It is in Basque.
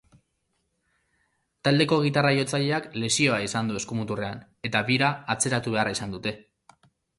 Taldeko gitarra-jotzaileak lesioa izan du eskumuturrean, eta bira atzeratu beharra izan dute.